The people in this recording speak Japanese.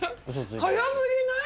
速すぎない？